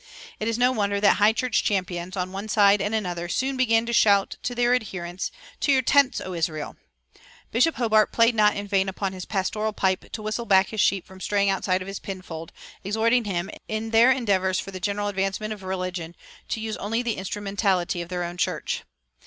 It is no wonder that High church champions, on one side and another, soon began to shout to their adherents, "To your tents, O Israel!" Bishop Hobart played not in vain upon his pastoral pipe to whistle back his sheep from straying outside of his pinfold, exhorting them, "in their endeavors for the general advancement of religion, to use only the instrumentality of their own church."